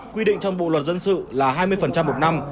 quy định trong bộ luật dân sự là hai mươi một năm